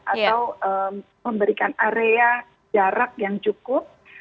atau memberikan area jarak yang cukup